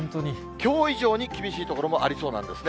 きょう以上に厳しい所もありそうなんですね。